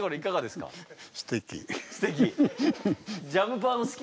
すてき。